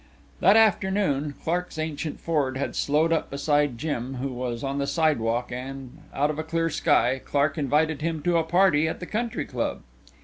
That afternoon Clark's ancient Ford had slowed up beside Jim, who was on the sidewalk and, out of a clear sky, Clark invited him to a party at the country club.